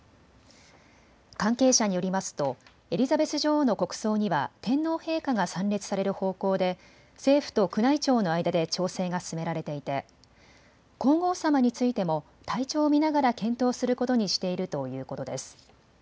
関係者によりますとエリザベス女王の国葬には天皇陛下が参列される方向で政府と宮内庁の間で調整が進められていて皇后さまについても体調を見ながら検討することにしているということです。